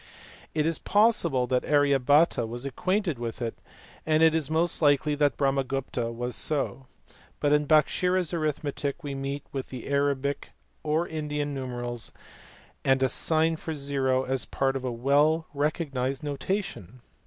It is possible that Arya Bhata was acquainted with it, and it is most likely that Brahmagupta was so, but in Bhaskara s arith metic we meet with the Arabic or Indian numerals and a sign for zero as part of a well recognized notation.